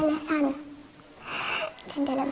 dan dalam hadis saya bilang